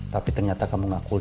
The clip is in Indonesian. tapi ternyata kamu gak kuliah